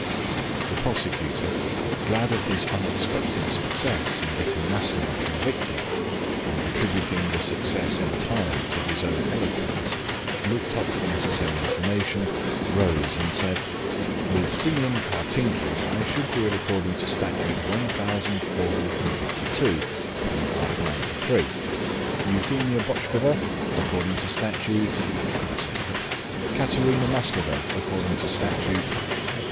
The prosecutor, glad of his unexpected success in getting Maslova convicted, and attributing the success entirely to his own eloquence, looked up the necessary information, rose and said: "With Simeon Kartinkin I should deal according to Statute 1,452 paragraph 93. Euphemia Botchkova according to Statute ..., etc. Katerina Maslova according to Statute ...